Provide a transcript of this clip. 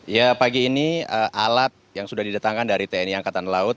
ya pagi ini alat yang sudah didatangkan dari tni angkatan laut